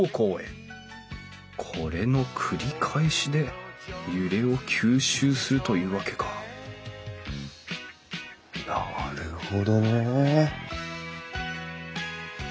これの繰り返しで揺れを吸収するというわけかなるほどね。